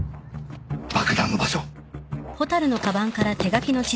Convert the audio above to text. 爆弾の場所